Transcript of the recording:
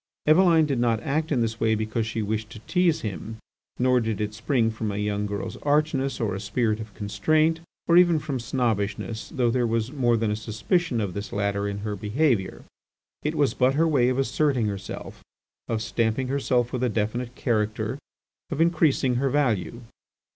Eveline did not act in this way because she wished to tease him. Nor did it spring from a young girl's archness, or a spirit of constraint, or even from snobbishness, though there was more than a suspicion of this latter in her behaviour. It was but her way of asserting herself, of stamping herself with a definite character, of increasing her value.